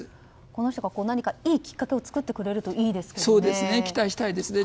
この人が何かいいきっかけを作ってくれるといいですよね。